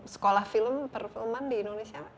sekolah film perfilman di indonesia